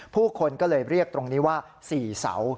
ผู้คนก็เลยเรียกตรงนี้ว่า๔เสา